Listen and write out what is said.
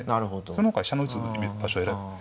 そのほか飛車の打つ場所選ぶ。